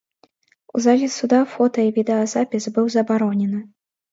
У залі суда фота і відэа запіс быў забаронены.